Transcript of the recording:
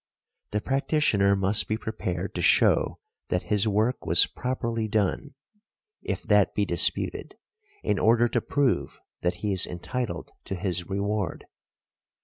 The practitioner must be prepared to show that his work was properly done, if that be disputed, in order to prove that he is entitled to his reward .